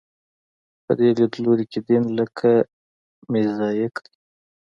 په دې لیدلوري کې دین لکه موزاییک دی.